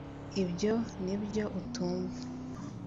ibyo nibyo utumva